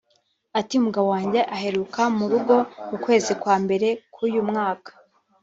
Ati "Umugabo wanjye aheruka mu rugo mu kwezi kwa mbere k’uyu mwaka